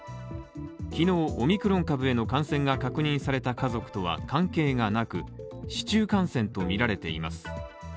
昨日オミクロン株への感染が確認された家族とは関係がなく、市中感染とみられています。